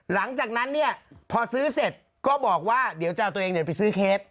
หลังจากนั้นเนี่ยพอซื้อเสร็จก็บอกว่าเดี๋ยวจะเอาตัวเองไปซื้อเค้ก